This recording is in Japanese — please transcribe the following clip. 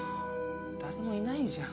誰もいないじゃん。